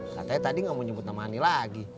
katanya tadi nggak mau nyebut nama ani lagi